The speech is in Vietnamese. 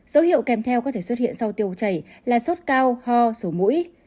dấu hiệu kèm theo có thể xuất hiện sau tiêu chảy là sốt cao ho sổ mũi